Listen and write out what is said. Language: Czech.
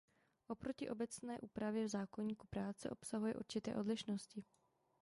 Oproti obecné úpravě v zákoníku práce obsahuje určité odlišnosti.